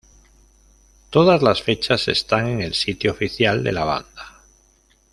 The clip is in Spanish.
Todas las fechas están en el sitio oficial de la banda.